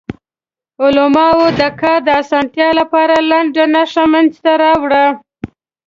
علماوو د کار د اسانتیا لپاره لنډه نښه منځ ته راوړه.